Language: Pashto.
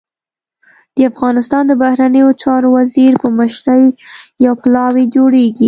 د افغانستان د بهرنیو چارو وزیر په مشرۍ يو پلاوی جوړېږي.